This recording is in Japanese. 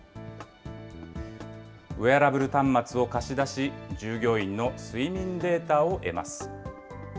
ウエアラブル端末を貸し出し、従業員の睡眠データを得ます。